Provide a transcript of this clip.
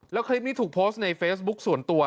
แล้วคลิปนี้ถูกโพสต์ในเฟซบุ๊คส่วนตัว